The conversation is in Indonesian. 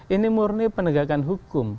ini murni penegakan hukum